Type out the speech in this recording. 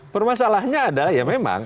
permasalahnya ada ya memang